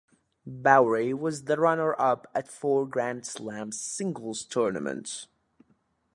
Bowrey was the runner-up at four Grand Slam singles tournaments.